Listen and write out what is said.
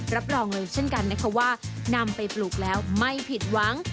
รับรองเลยเช่นกันนะคะว่านำไปปลูกแล้วไม่ผิดหวัง